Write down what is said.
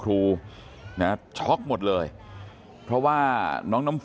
คุณยายบอกว่ารู้สึกเหมือนใครมายืนอยู่ข้างหลัง